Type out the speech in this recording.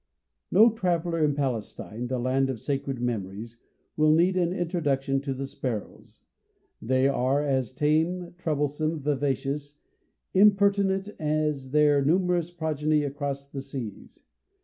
No traveler in Palestine, the land of sacred memories, will need an introduction to the sparrows. They are as tame, troublesome, vivacious, and impertinent, as their numerous progeny across the seas.